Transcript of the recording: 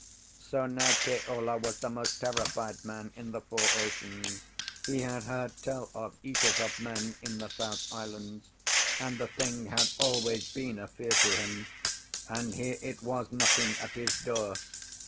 So now Keola was the most terrified man in the four oceans. He had heard tell of eaters of men in the south islands, and the thing had always been a fear to him; and here it was knocking at his door.